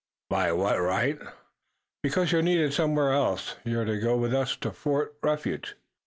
"By what right?" "Because you're needed somewhere else. You're to go with us to Fort Refuge."